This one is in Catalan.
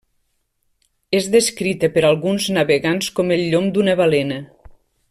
És descrita per alguns navegants com el llom d'una balena.